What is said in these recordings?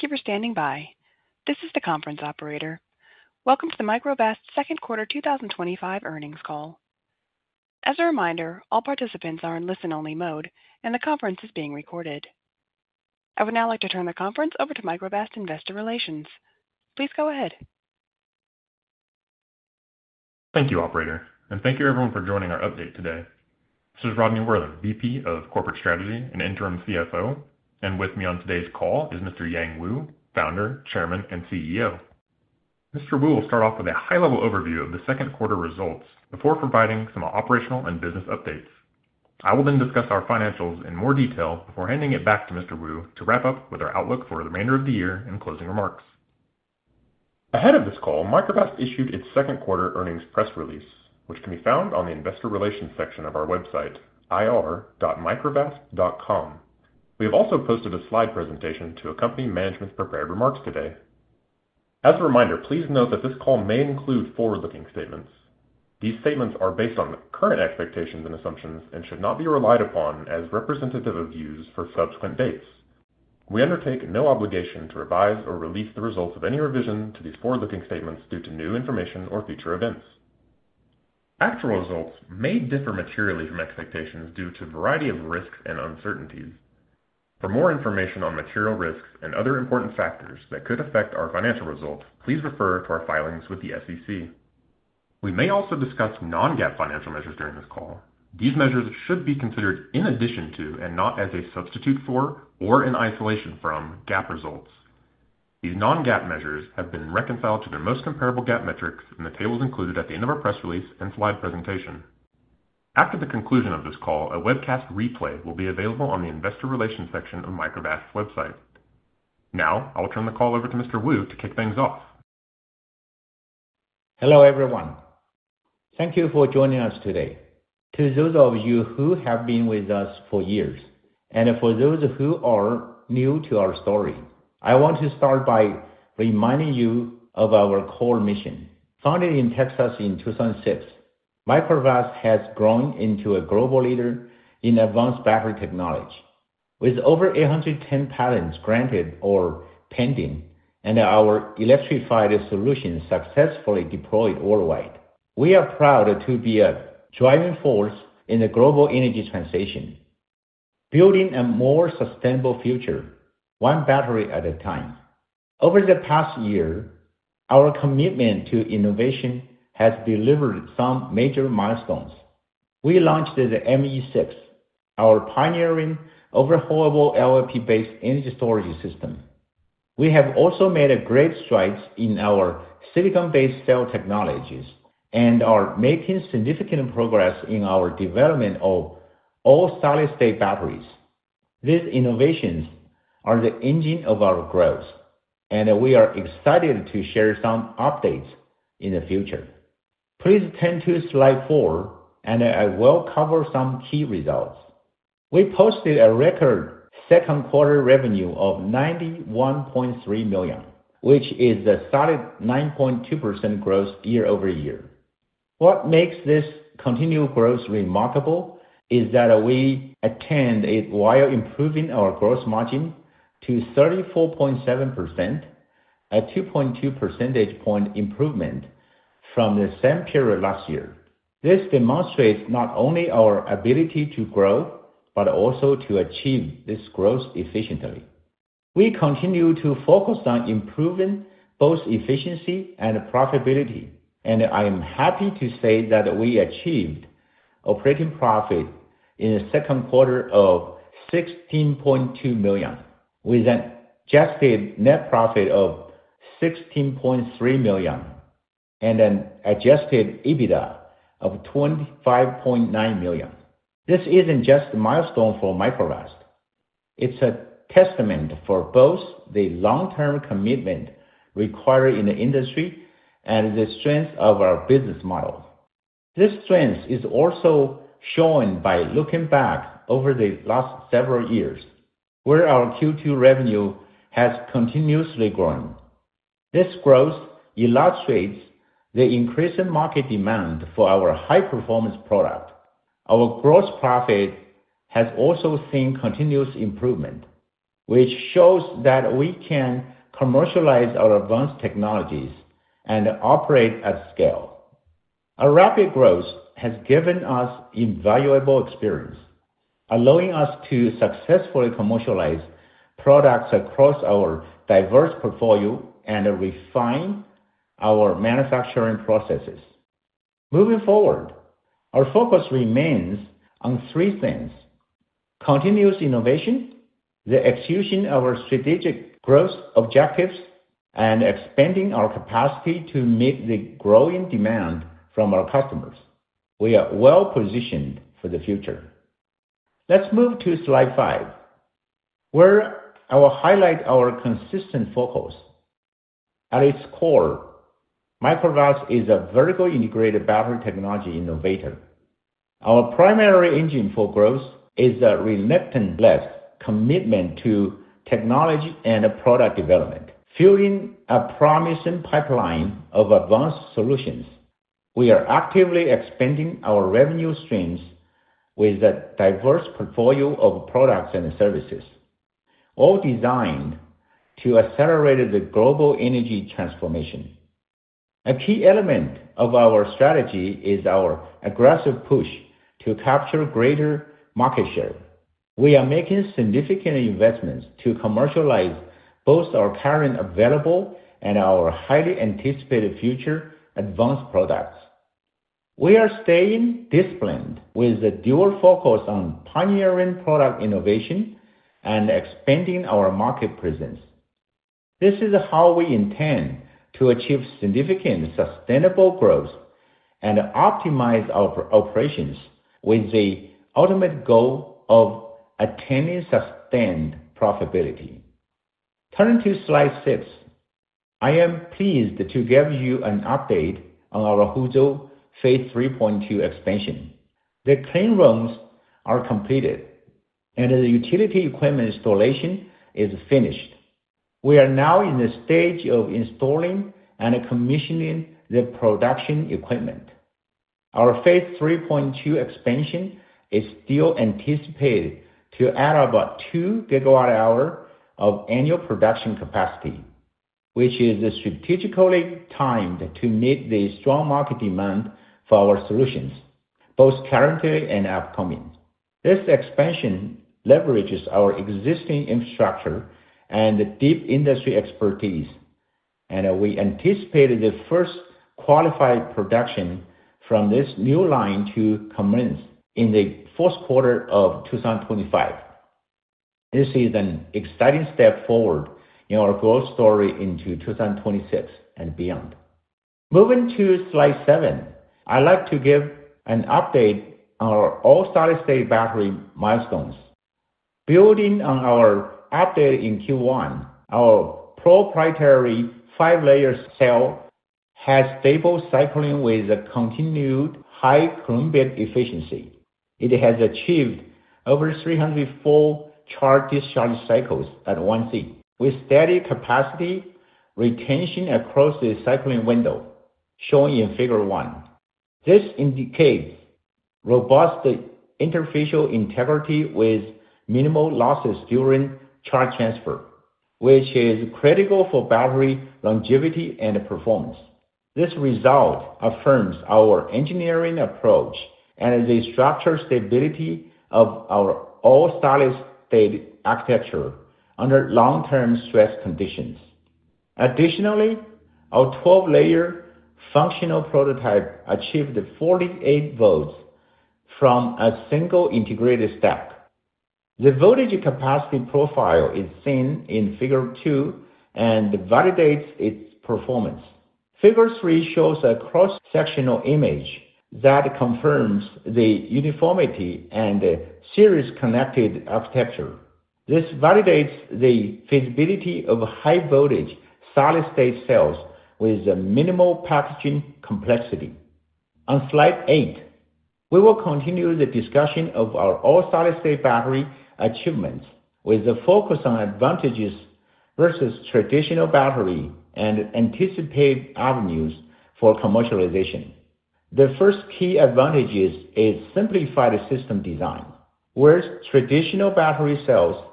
Thank you for standing by. This is the Conference Operator. Welcome to the Microvast Second Quarter 2025 Earnings Call. As a reminder, all participants are in listen-only mode, and the conference is being recorded. I would now like to turn the conference over to Microvast investor relations. Please go ahead. Thank you, operator, and thank you everyone for joining our update today. This is Rodney Worthen, Vice President of Corporate Strategy and Interim Chief Financial Officer, and with me on today's call is Mr. Yang Wu, Founder, Chairman, and Chief Executive Officer. Mr. Wu will start off with a high-level overview of the second quarter results before providing some operational and business updates. I will then discuss our financials in more detail before handing it back to Mr. Wu to wrap up with our outlook for the remainder of the year and closing remarks. Ahead of this call, Microvast issued its second quarter earnings press release, which can be found on the investor relations section of our website, ir.microvast.com. We have also posted a slide presentation to accompany management's prepared remarks today. As a reminder, please note that this call may include forward-looking statements. These statements are based on current expectations and assumptions and should not be relied upon as representative of views for subsequent dates. We undertake no obligation to revise or release the results of any revision to these forward-looking statements due to new information or future events. Actual results may differ materially from expectations due to a variety of risks and uncertainties. For more information on material risks and other important factors that could affect our financial results, please refer to our filings with the SEC. We may also discuss non-GAAP financial measures during this call. These measures should be considered in addition to and not as a substitute for or in isolation from GAAP results. These non-GAAP measures have been reconciled to the most comparable GAAP metrics in the tables included at the end of our press release and slide presentation. After the conclusion of this call, a webcast replay will be available on the investor relations section of Microvast's website. Now, I'll turn the call over to Mr. Wu to kick things off. Hello everyone. Thank you for joining us today. To those of you who have been with us for years, and for those who are new to our story, I want to start by reminding you of our core mission. Founded in Texas in 2006, Microvast has grown into a global leader in advanced battery technology. With over 810 patents granted or pending, and our electrified solutions successfully deployed worldwide, we are proud to be a driving force in the global energy transition, building a more sustainable future, one battery at a time. Over the past year, our commitment to innovation has delivered some major milestones. We launched the ME6, our pioneering overhaulable LFP-based energy storage system. We have also made great strides in our silicon-based cell technologies and are making significant progress in our development of all-solid-state batteries. These innovations are the engine of our growth, and we are excited to share some updates in the future. Please turn to slide four, and I will cover some key results. We posted a record second quarter revenue of $91.3 million, which is a solid 9.2% growth year-over-year. What makes this continued growth remarkable is that we attained it while improving our gross margin to 34.7%, a 2.2 percentage point improvement from the same period last year. This demonstrates not only our ability to grow, but also to achieve this growth efficiently. We continue to focus on improving both efficiency and profitability, and I am happy to say that we achieved operating profit in the second quarter of $16.2 million. We then adjusted net profit of $16.3 million, and adjusted EBITDA of $25.9 million. This isn't just a milestone for Microvast. It's a testament for both the long-term commitment required in the industry and the strength of our business model. This strength is also shown by looking back over the last several years, where our Q2 revenue has continuously grown. This growth illustrates the increase in market demand for our high-performance product. Our gross profit has also seen continuous improvement, which shows that we can commercialize our advanced technologies and operate at scale. Our rapid growth has given us invaluable experience, allowing us to successfully commercialize products across our diverse portfolio and refine our manufacturing processes. Moving forward, our focus remains on three things: continuous innovation, the execution of our strategic growth objectives, and expanding our capacity to meet the growing demand from our customers. We are well positioned for the future. Let's move to slide five, where I will highlight our consistent focus. At its core, Microvast is a vertically integrated battery technology innovator. Our primary engine for growth is a relentless commitment to technology and product development, fueling a promising pipeline of advanced solutions. We are actively expanding our revenue streams with a diverse portfolio of products and services, all designed to accelerate the global energy transformation. A key element of our strategy is our aggressive push to capture greater market share. We are making significant investments to commercialize both our current available and our highly anticipated future advanced products. We are staying disciplined with a dual focus on pioneering product innovation and expanding our market presence. This is how we intend to achieve significant sustainable growth and optimize our operations with the ultimate goal of attaining sustained profitability. Turning to slide six, I am pleased to give you an update on our Huzhou Phase 3.2 expansion. The clean rooms are completed, and the utility equipment installation is finished. We are now in the stage of installing and commissioning the production equipment. Our Phase 3.2 expansion is still anticipated to add about 2 GWh of annual production capacity, which is strategically timed to meet the strong market demand for our solutions, both currently and upcoming. This expansion leverages our existing infrastructure and deep industry expertise, and we anticipate the first qualified production from this new line to commence in the fourth quarter of 2025. This is an exciting step forward in our growth story into 2026 and beyond. Moving to slide seven, I'd like to give an update on our all-solid-state battery milestones. Building on our update in Q1, our proprietary five-layer cell has stable cycling with a continued high coulombic efficiency. It has achieved over 304 charge-discharge cycles at 1C, with steady capacity retention across the cycling window, shown in figure one. This indicates robust interfacial integrity with minimal losses during charge transfer, which is critical for battery longevity and performance. This result affirms our engineering approach and the structural stability of our all-solid-state architecture under long-term stress conditions. Additionally, our 12-layer functional prototype achieved 48 volts from a single integrated stack. The voltage capacity profile is seen in figure two, and it validates its performance. Figure three shows a cross-sectional image that confirms the uniformity and series-connected architecture. This validates the feasibility of high-voltage solid-state cells with minimal packaging complexity. On slide eight, we will continue the discussion of our all-solid-state battery achievements, with a focus on advantages versus traditional battery and anticipated avenues for commercialization. The first key advantage is simplified system design, where traditional battery cells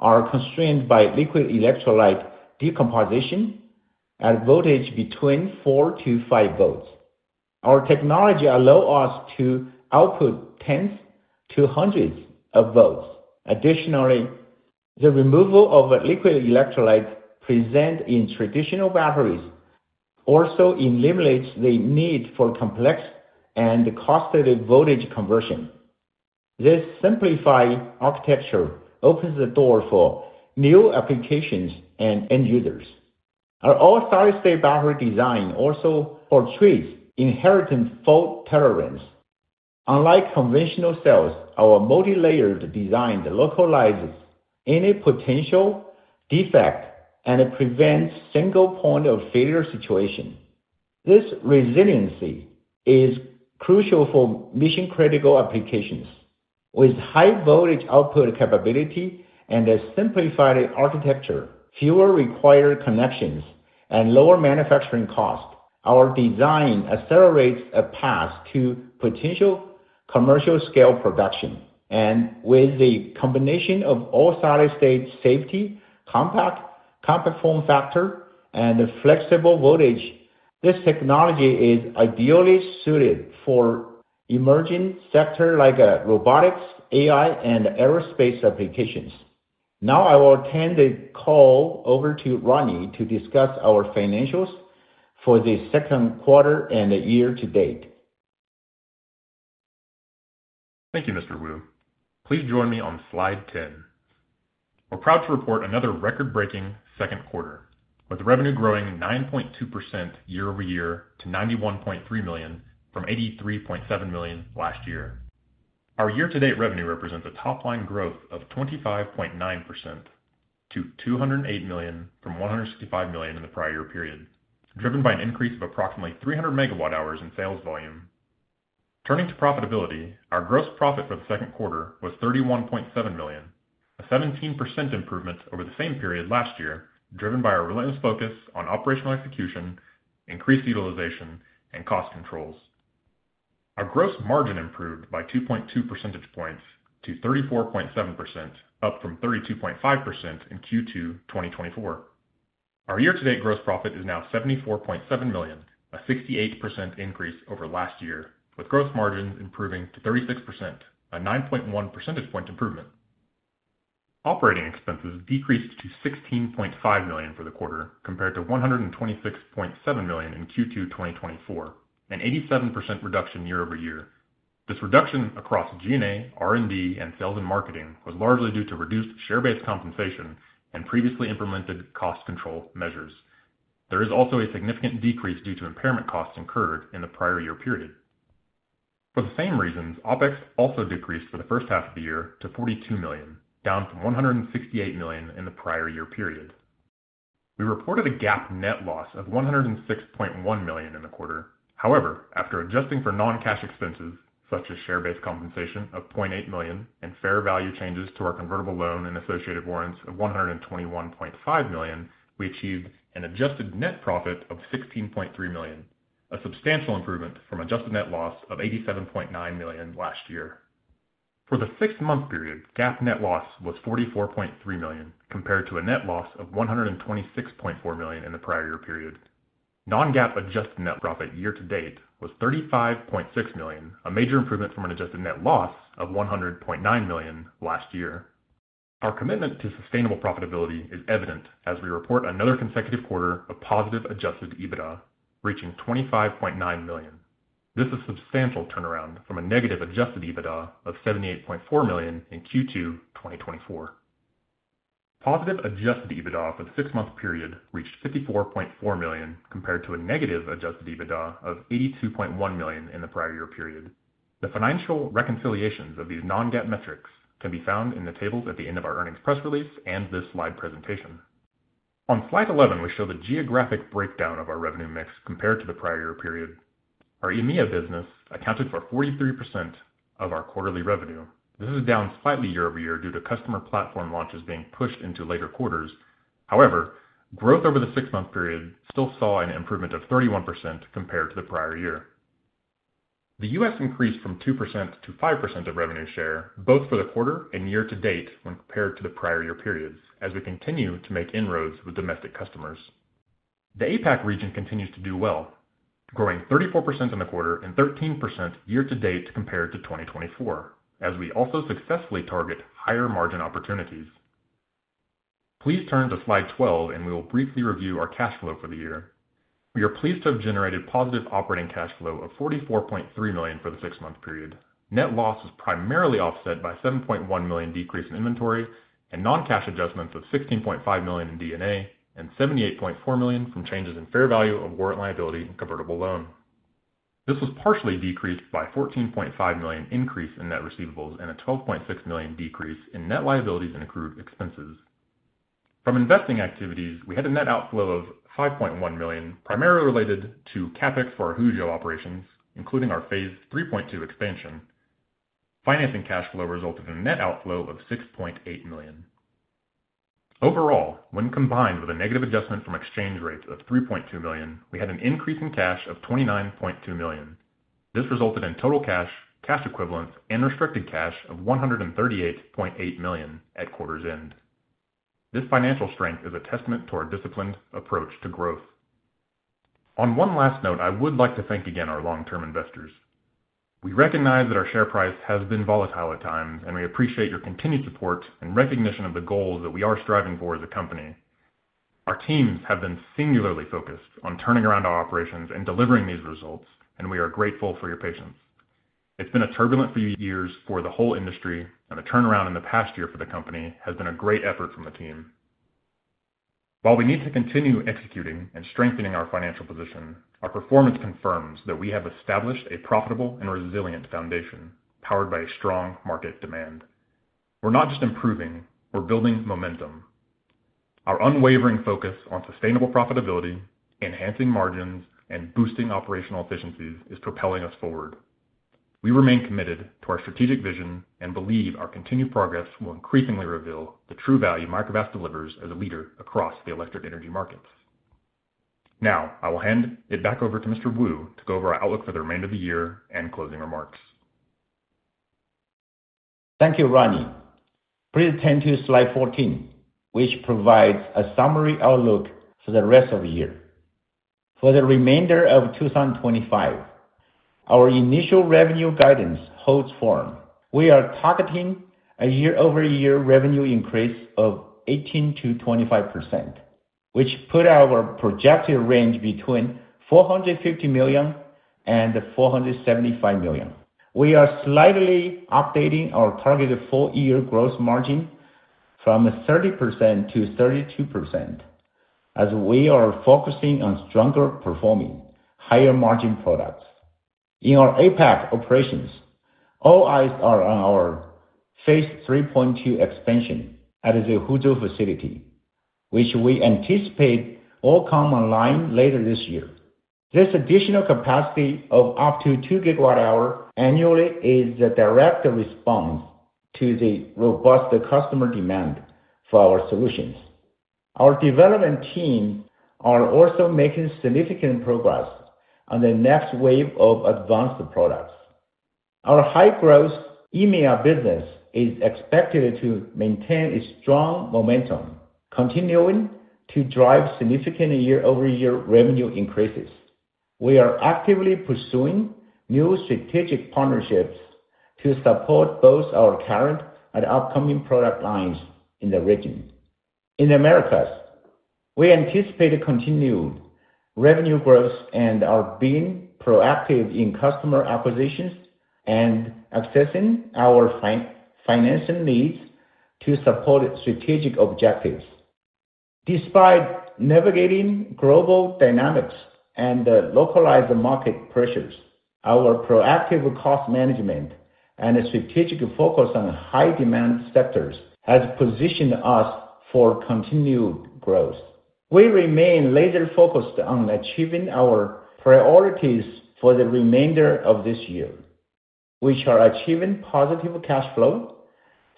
are constrained by liquid electrolyte decomposition at a voltage between 4 volts-5 volts. Our technology allows us to output tens to hundreds of volts. Additionally, the removal of liquid electrolytes present in traditional batteries also eliminates the need for complex and costly voltage conversion. This simplified architecture opens the door for new applications and end users. Our all-solid-state battery design also portrays inherited fault tolerance. Unlike conventional cells, our multi-layered design localizes any potential defect and prevents a single point of failure situation. This resiliency is crucial for mission-critical applications. With high voltage output capability and a simplified architecture, fewer required connections, and lower manufacturing costs, our design accelerates a path to potential commercial-scale production. With the combination of all-solid-state safety, compact form factor, and flexible voltage, this technology is ideally suited for emerging sectors like robotics, AI, and aerospace applications. Now I will turn the call over to Rodney to discuss our financials for the second quarter and the year to date. Thank you, Mr. Wu. Please join me on slide ten. We're proud to report another record-breaking second quarter, with revenue growing 9.2% year-over-year to $91.3 million from $83.7 million last year. Our year-to-date revenue represents a top-line growth of 25.9% to $208 million from $165 million in the prior year period, driven by an increase of approximately 300 MWh in sales volume. Turning to profitability, our gross profit for the second quarter was $31.7 million, a 17% improvement over the same period last year, driven by our relentless focus on operational execution, increased utilization, and cost controls. Our gross margin improved by 2.2 percentage points to 34.7%, up from 32.5% in Q2 2024. Our year-to-date gross profit is now $74.7 million, a 68% increase over last year, with gross margins improving to 36%, a 9.1 percentage point improvement. Operating expenses decreased to $16.5 million for the quarter compared to $126.7 million in Q2 2024, an 87% reduction year-over-year. This reduction across G&A, R&D, and sales and marketing was largely due to reduced share-based compensation and previously implemented cost control measures. There is also a significant decrease due to impairment costs incurred in the prior year period. For the same reasons, OpEx also decreased for the first half of the year to $42 million, down from $168 million in the prior year period. We reported a GAAP net loss of $106.1 million in the quarter. However, after adjusting for non-cash expenses, such as share-based compensation of $0.8 million and fair value changes to our convertible loan and associated warrants of $121.5 million, we achieved an adjusted net profit of $16.3 million, a substantial improvement from adjusted net loss of $87.9 million last year. For the six-month period, GAAP net loss was $44.3 million compared to a net loss of $126.4 million in the prior year period. Non-GAAP adjusted net profit year to date was $35.6 million, a major improvement from an adjusted net loss of $100.9 million last year. Our commitment to sustainable profitability is evident as we report another consecutive quarter of positive adjusted EBITDA reaching $25.9 million. This is a substantial turnaround from a negative adjusted EBITDA of $78.4 million in Q2 2024. Positive adjusted EBITDA for the six-month period reached $54.4 million compared to a negative adjusted EBITDA of $82.1 million in the prior year period. The financial reconciliations of these non-GAAP metrics can be found in the tables at the end of our earnings press release and this slide presentation. On slide 11, we show the geographic breakdown of our revenue mix compared to the prior year period. Our EMEA business accounted for 43% of our quarterly revenue. This is down slightly year-over-year due to customer platform launches being pushed into later quarters. However, growth over the six-month period still saw an improvement of 31% compared to the prior year. The U.S. increased from 2% to 5% of revenue share, both for the quarter and year to date when compared to the prior year periods, as we continue to make inroads with domestic customers. The APAC region continues to do well, growing 34% in the quarter and 13% year to date compared to 2024, as we also successfully target higher margin opportunities. Please turn to slide 12, and we will briefly review our cash flow for the year. We are pleased to have generated positive operating cash flow of $44.3 million for the six-month period. Net loss is primarily offset by a $7.1 million decrease in inventory and non-cash adjustments of $16.5 million in D&A and $78.4 million from changes in fair value of warrant liability and convertible loan. This was partially decreased by a $14.5 million increase in net receivables and a $12.6 million decrease in net liabilities and accrued expenses. From investing activities, we had a net outflow of $5.1 million, primarily related to CapEx for our Huzhou operations, including our Phase 3.2 expansion. Financing cash flow resulted in a net outflow of $6.8 million. Overall, when combined with a negative adjustment from exchange rates of $3.2 million, we had an increase in cash of $29.2 million. This resulted in total cash, cash equivalents, and restricted cash of $138.8 million at quarter's end. This financial strength is a testament to our disciplined approach to growth. On one last note, I would like to thank again our long-term investors. We recognize that our share price has been volatile at times, and we appreciate your continued support and recognition of the goals that we are striving for as a company. Our teams have been singularly focused on turning around our operations and delivering these results, and we are grateful for your patience. It's been a turbulent few years for the whole industry, and the turnaround in the past year for the company has been a great effort from the team. While we need to continue executing and strengthening our financial position, our performance confirms that we have established a profitable and resilient foundation powered by strong market demand. We're not just improving, we're building momentum. Our unwavering focus on sustainable profitability, enhancing margins, and boosting operational efficiencies is propelling us forward. We remain committed to our strategic vision and believe our continued progress will increasingly reveal the true value Microvast delivers as a leader across the electric energy markets. Now, I will hand it back over to Mr. Wu to go over our outlook for the remainder of the year and closing remarks. Thank you, Rodney. Please turn to slide 14, which provides a summary outlook for the rest of the year. For the remainder of 2025, our initial revenue guidance holds firm. We are targeting a year-over-year revenue increase of 18%-25%, which puts our projected range between $450 million and $475 million. We are slightly updating our targeted full-year gross margin from 30% to 32%, as we are focusing on stronger performing, higher margin products. In our APAC operations, all eyes are on our Phase 3.2 expansion at the Huzhou facility, which we anticipate will come online later this year. This additional capacity of up to 2 GWh annually is a direct response to the robust customer demand for our solutions. Our development teams are also making significant progress on the next wave of advanced products. Our high-growth EMEA business is expected to maintain strong momentum, continuing to drive significant year-over-year revenue increases. We are actively pursuing new strategic partnerships to support both our current and upcoming product lines in the region. In the Americas, we anticipate continued revenue growth and are being proactive in customer acquisitions and assessing our financial needs to support strategic objectives. Despite navigating global dynamics and localized market pressures, our proactive cost management and a strategic focus on high-demand sectors have positioned us for continued growth. We remain laser-focused on achieving our priorities for the remainder of this year, which are achieving positive cash flow,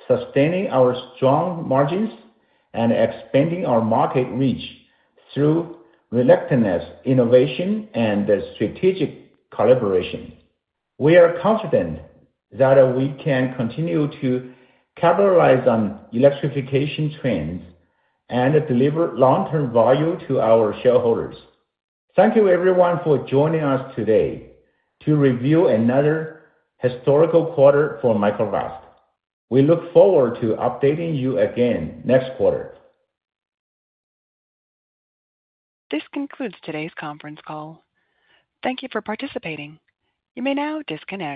sustaining our strong margins, and expanding our market reach through relentless innovation and strategic collaboration. We are confident that we can continue to capitalize on the electrification trend and deliver long-term value to our shareholders. Thank you, everyone, for joining us today to review another historical quarter for Microvast We look forward to updating you again next quarter. This concludes today's conference call. Thank you for participating. You may now disconnect.